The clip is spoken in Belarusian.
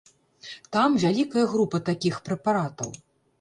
Там вялікая група такіх прэпаратаў.